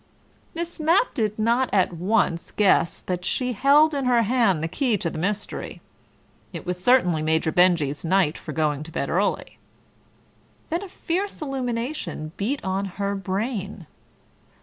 Miss Mapp did not at once guess that she held in her hand the key to the mystery. It was certainly Major Benjy's night for going to bed early. ... Then a fierce illumination beat on her brain.